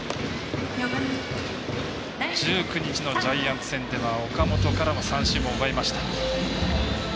１９日のジャイアンツ戦では岡本からの三振も奪いました。